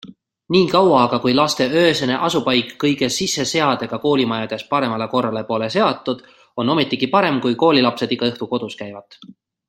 Nii kaua aga, kui laste öösene asupaik kõige sisseseadega koolimajades paremale korrale pole seatud, on ometigi parem, kui koolilapsed iga õhtu kodus käivad.